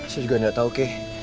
saya juga gak tahu kei